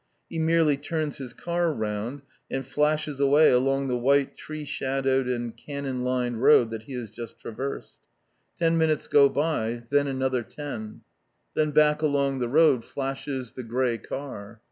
He merely turns his car round and flashes away along the white tree shadowed and cannon lined road that he has just traversed. Ten minutes go by, then another ten. Then back along the road flashes the grey car.